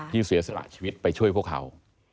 เสียสละชีวิตไปช่วยพวกเขา